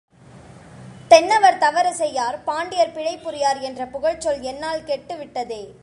தென்னவர் தவறு செய்யார் பாண்டியர் பிழை புரியார் என்ற புகழ்ச்சொல் என்னால் கெட்டுவிட்டதே!